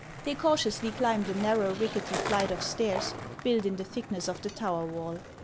They cautiously climbed a narrow, rickety flight of stairs built in the thickness of the tower wall.